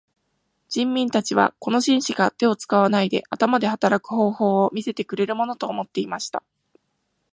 人民たちはこの紳士が手を使わないで頭で働く方法を見せてくれるものと思っていました。